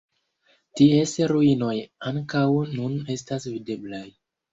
Ties ruinoj ankaŭ nun estas videblaj.